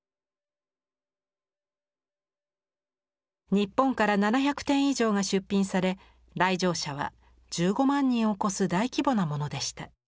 日本から７００点以上が出品され来場者は１５万人を超す大規模なものでした。